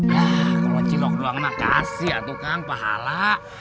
yah kalo cilok doang makasih ya tukang pahala